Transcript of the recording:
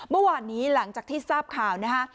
เมื่อวานนี้หลังจากที่ทราบข่าวนะฮะ